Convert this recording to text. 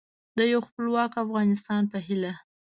د یو خپلواک افغانستان په هیله